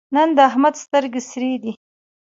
نن د احمد سترګې سرې دي.